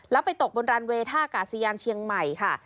แล้วไปตกบนรันเวย์ท่ากาศยานเชียงใหม่ค่ะ